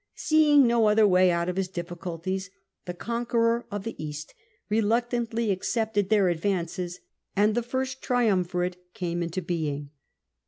Seeing no )ther way out of his difliculties, the Conqueror of the East reluctantly accepted their advaiices, and the '"First friumvirate " came into being.